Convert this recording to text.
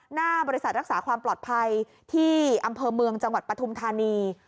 หน้าบริษัทรักษาความปลอดภัยที่อำเภอเมืองจังหวัดปฐุมธานี